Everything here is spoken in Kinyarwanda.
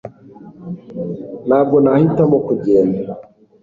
ntabwo nahitamo kugenda